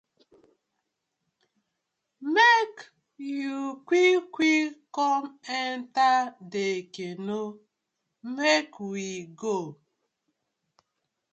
Mek yu quick quick kom enter dey canoe mek we go.